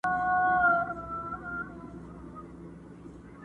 هر څوک خپل درد لري تل